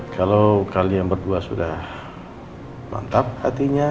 kalau kalian berdua sudah mantap hatinya